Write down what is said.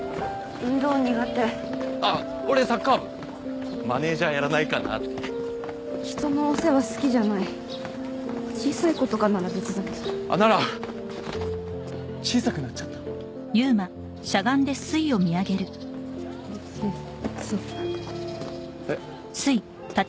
運動苦手あっ俺サッカー部マネージャーやらないかなって人のお世話好きじゃない小さい子とかなら別だけどなら小さくなっちゃったそうえっ？